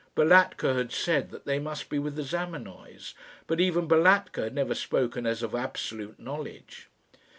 Balatka had said that they must be with the Zamenoys, but even Balatka had never spoken as of absolute knowledge.